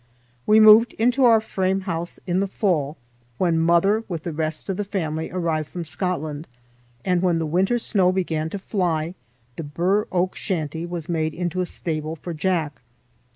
We moved into our frame house in the fall, when mother with the rest of the family arrived from Scotland, and, when the winter snow began to fly, the bur oak shanty was made into a stable for Jack.